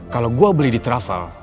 kalau gue beli di travel